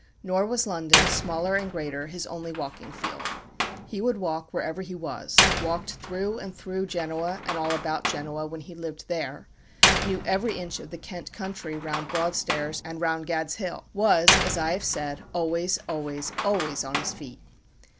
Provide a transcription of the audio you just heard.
Nor was London, smaller and greater, his only walking field. He would walk wherever he was walked through and through Genoa, and all about Genoa, when he lived there; knew every inch of the Kent country round Broadstairs and round Gad's Hill was, as I have said, always, always, always on his feet.